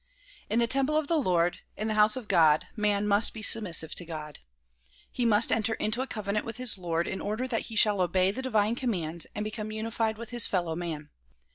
In the temple of the Lord, in the house of God, man must be submissive to God. He must enter into a covenant with his Lord in order that he shall obey the divine commands and become unified with his fellow man.